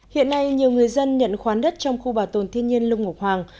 hiện nay nhiều người dân nhận khoán đất trong khu bảo tồn thiên nhiên lung ngọc hoàng